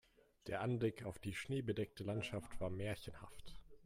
Der Anblick auf die schneebedeckte Landschaft war märchenhaft.